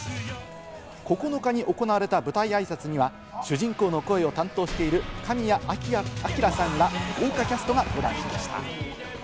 ９日に行われた、舞台あいさつには主人公の声を担当している神谷明さんら豪華キャストが登壇しました。